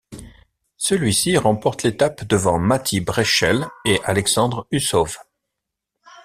Celui-ci remporte l'étape devant Matti Breschel et Alexandre Usov.